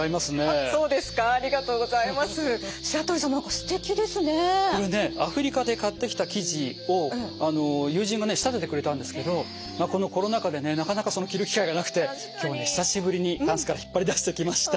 これねアフリカで買ってきた生地を友人がね仕立ててくれたんですけどこのコロナ禍でねなかなか着る機会がなくて今日ね久しぶりにタンスから引っ張り出してきました。